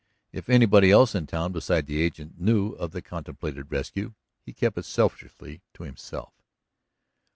If anybody else in town besides the agent knew of the contemplated rescue, he kept it selfishly to himself.